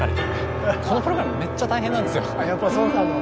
やっぱそうなの？